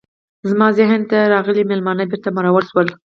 زما ذهن ته راغلي میلمانه بیرته مرور شول.